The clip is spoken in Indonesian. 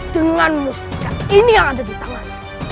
dengan mustika ini yang ada di tangan